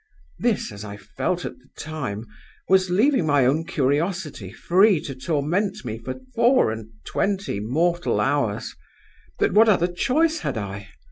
This, as I felt at the time, was leaving my own curiosity free to torment me for four and twenty mortal hours; but what other choice had I?